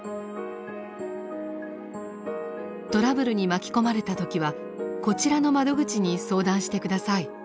トラブルに巻き込まれた時はこちらの窓口に相談してください。